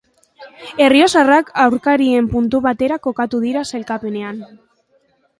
Errioxarrak aurkarien puntu batera kokatu dira sailkapenean.